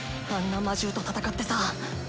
あんな魔獣と戦ってさ。